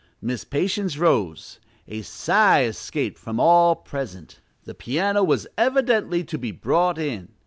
Miss Patience rose. A sigh escaped from all present: the piano was evidently to be brought in.